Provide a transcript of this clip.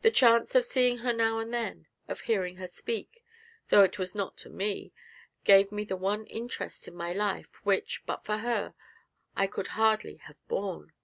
The chance of seeing her now and then, of hearing her speak though it was not to me gave me the one interest in my life, which, but for her, I could hardly have borne.